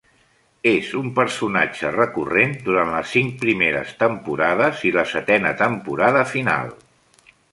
És un personatge recurrent durant les cinc primeres temporades i la setena temporada final.